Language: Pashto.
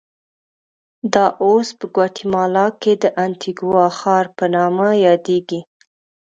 دا اوس په ګواتیمالا کې د انتیګوا ښار په نامه یادېږي.